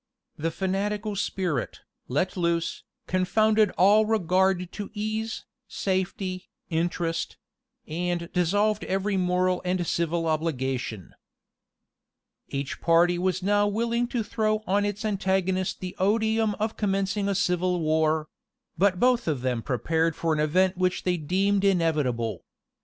The fanatical spirit, let loose, confounded all regard to ease, safety, interest; and dissolved every moral and civil obligation.[] * Rush. vol. v. p. 526. See note I, at the end of the volume. Each party was now willing to throw on its antagonist the odium of commencing a civil war; but both of them prepared for an event which they deemed inevitable.